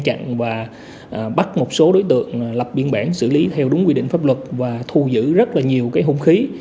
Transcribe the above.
chúng tôi kịp thời ngăn chặn và bắt một số đối tượng lập biên bản xử lý theo đúng quy định pháp luật và thu giữ rất nhiều hôn khí